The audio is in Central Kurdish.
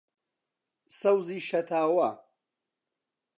سەوزی شەتاوە